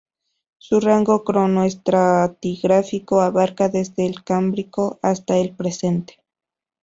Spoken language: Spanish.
Su rango cronoestratigráfico abarca desde el Cámbrico hasta el presente.